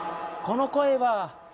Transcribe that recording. この声は。